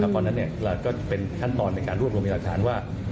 เพราะฉะนั้นก็เป็นขั้นตอนเป็นการรวบรวมไว้ดักฐานว่า